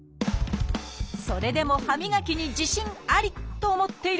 それでも「歯みがきに自信あり！」と思っているあなた。